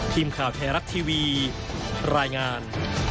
ทีมข่าวไทยรัฐทีวีรายงาน